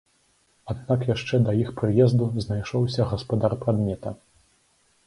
Аднак яшчэ да іх прыезду знайшоўся гаспадар прадмета.